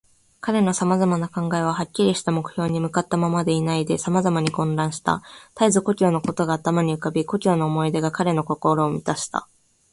彼のさまざまな考えは、はっきりした目標に向ったままでいないで、さまざまに混乱した。たえず故郷のことが頭に浮かび、故郷の思い出が彼の心をみたした。